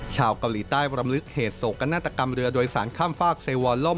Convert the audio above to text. ชาวเกาหลีใต้บรำลึกเหตุโศกนาฏกรรมเรือโดยสารข้ามฝากเซวรล่ม